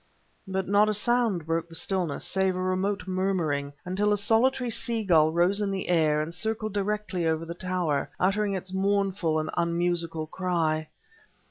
But not a sound broke the stillness save a remote murmuring, until a solitary sea gull rose in the air and circled directly over the tower, uttering its mournful and unmusical cry.